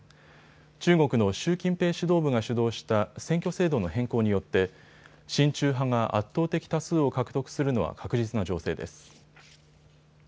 中国の習近平指導部が主導した選挙制度の変更によって親中派が圧倒的多数を獲得するのは確実な情勢です。